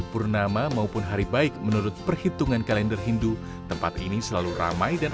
purnama maupun hari baik menurut perhitungan kalender hindu tempat ini selalu ramai dan